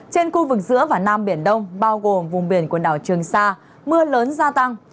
trên khu vực giữa và nam biển đông bao gồm vùng biển quần đảo trường sa mưa lớn gia tăng